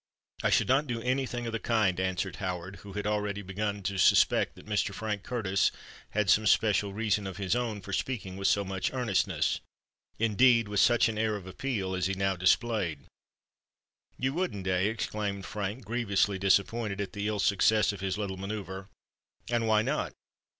"I should not do anything of the kind," answered Howard, who already began to suspect that Mr. Frank Curtis had some special reason of his own for speaking with so much earnestness—indeed, with such an air of appeal, as he now displayed. "You wouldn't—eh?" exclaimed Frank, grievously disappointed at the ill success of his little manœuvre. "And why not?"